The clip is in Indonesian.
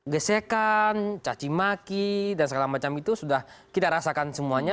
gesekan cacimaki dan segala macam itu sudah kita rasakan semuanya